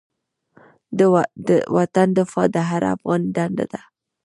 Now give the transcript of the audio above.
د وطن دفاع د هر افغان دنده ده.